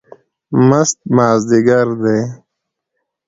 مست مازدیګر دی